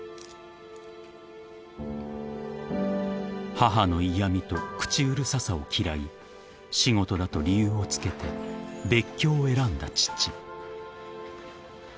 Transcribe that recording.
［母の嫌みと口うるささを嫌い仕事だと理由をつけて別居を選んだ父］